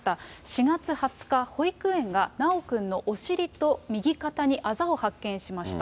４月２０日、保育園が修くんのお尻と右肩にあざを発見しました。